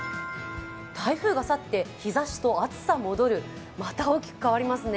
台風が去って日ざしと暑さ戻るまた大きく変わりますね。